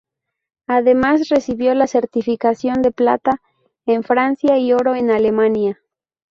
Además recibió la certificación de plata en Francia y oro en Alemania.